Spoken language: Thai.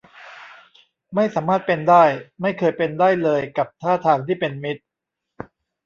ไม่สามารถเป็นได้ ไม่เคยเป็นได้เลยกับท่าทางที่เป็นมิตร